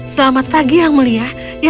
selamat pagi yang mulia